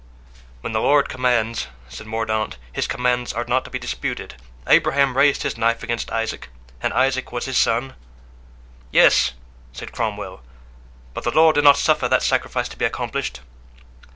"When the Lord commands," said Mordaunt, "His commands are not to be disputed. Abraham raised the knife against Isaac, and Isaac was his son." "Yes," said Cromwell, "but the Lord did not suffer that sacrifice to be accomplished."